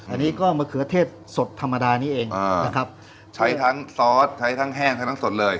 อันนี้ก็มะเขือเทศสดธรรมดานี้เองอ่านะครับใช้ทั้งซอสใช้ทั้งแห้งใช้ทั้งสดเลย